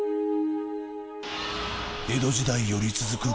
江戸時代より続く